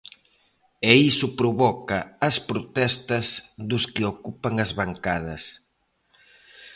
E iso provoca as protestas dos que ocupan as bancadas.